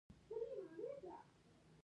خو پر دې سربېره ده ښې نومرې واخيستې.